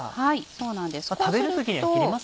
そうなんです。